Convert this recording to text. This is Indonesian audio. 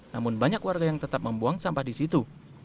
namun banyak warga yang tetap membuang sampah di situ